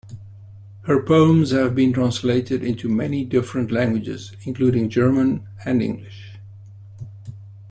Her poems have been translated into many different languages, including German and English.